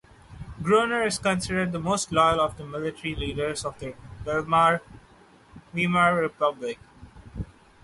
Groener is considered the most loyal of the military leaders of the Weimar Republic.